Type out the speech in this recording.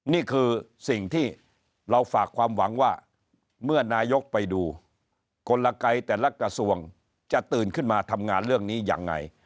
นี่คือสิ่งที่เราฝากความหวังว่าเมื่อนายกไปดูกลไกแต่ละกระทรวงจะตื่นขึ้นมาทำงานเรื่องนี้ยังไง